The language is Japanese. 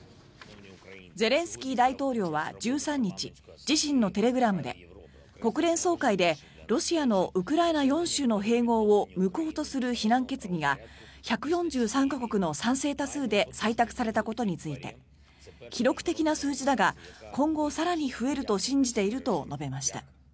ゼレンスキー大統領は１３日自身のテレグラムで国連総会でロシアのウクライナ４州の併合を無効とする非難決議が１４３か国の賛成多数で採択されたことについて記録的な数字だが今後更に増えると信じていると述べました。